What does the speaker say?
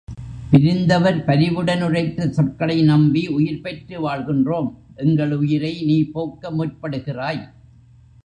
பிரிந்தவர் பரிவுடன் உரைத்த சொற்களை நம்பி உயிர் பெற்று வாழ்கின்றோம் எங்கள் உயிரை நீ போக்க முற்படுகிறாய்.